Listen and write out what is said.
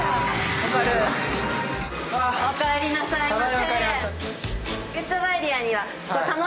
おかえりなさいませ。